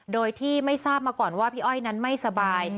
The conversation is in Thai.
โดยที่ไม่ทราบมาก่อนว่าพี่อ้อยนั้นไม่สบาย